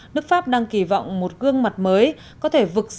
nước pháp đang kỳ vọng một gương mặt mới có thể vực